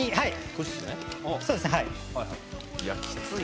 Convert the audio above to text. こうですね。